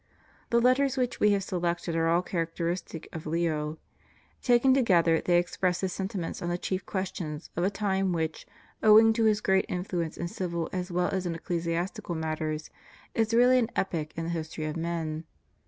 The Letters which we have selected are all character istic of Leo. Taken together they express his sentiments on the chief questions of a time which, owing to his great influence in civil as well as in ecclesiastical matters, is really an epoch in the history of men.